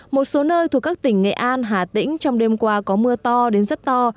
một số nơi thuộc các tỉnh nghệ an hà tĩnh trong đêm qua có mưa to đến rất to